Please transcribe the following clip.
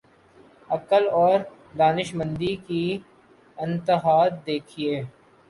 عقل اور دانشمندی کی انتہا دیکھیے۔